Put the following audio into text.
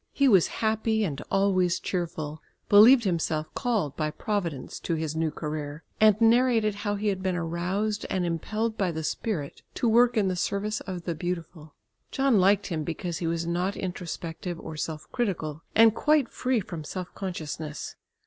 He was happy and always cheerful, believed himself called by providence to his new career, and narrated how he had been aroused and impelled by the spirit to work in the service of the Beautiful. John liked him because he was not introspective or self critical and quite free from self consciousness.